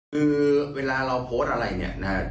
คือเวลาเราโพสต์อะไรเนี่ยนะฮะ